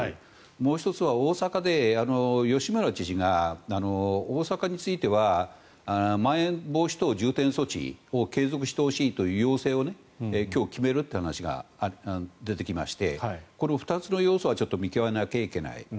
もう１つは大阪で吉村知事が大阪についてはまん延防止等重点措置を継続してほしいという要請を今日、決めるという話が出てきましてこれ、２つの要素は見極めないといけない。